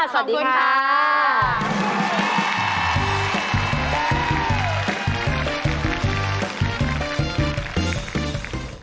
สวัสดีค่ะขอบคุณค่ะ